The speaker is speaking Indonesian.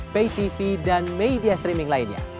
paytv dan media streaming lainnya